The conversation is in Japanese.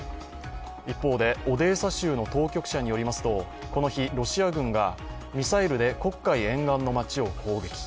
一方でオデーサ州の当局者によりますとこの日、ロシア軍がミサイルで黒海沿岸の町を攻撃。